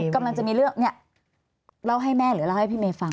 กำลังจะมีเรื่องเนี่ยเล่าให้แม่หรือเล่าให้พี่เมย์ฟัง